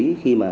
thì khi mà